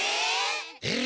「え！？」